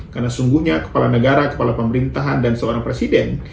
karena sungguhnya kepala negara kepala pemerintahan dan seorang presiden